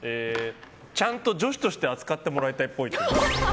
ちゃんと女子として扱ってもらいたいっぽい。